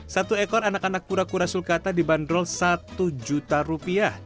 satu ekor anak anak kura kura sulkata dibanderol satu juta rupiah